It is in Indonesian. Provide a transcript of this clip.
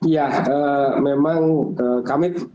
ya memang kami